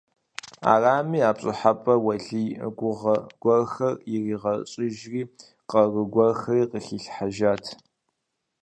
Арами, а пщӀыхьэпӀэм Уэлий гугъэ гуэрхэр иригъэщӀыжри къару гуэрхэри къыхилъхьэжат.